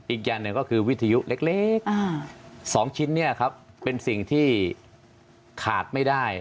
อีกอย่างหนึ่งก็คือวิทยุเล็ก๒ชิ้นนี้ครับเป็นสิ่งที่ขาดไม่ได้